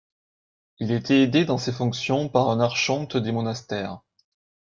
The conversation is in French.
Il était aidé dans ses fonctions par un archonte des monastères.